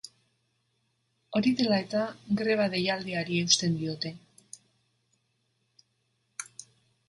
Hori dela eta, greba deialdiari eusten diote.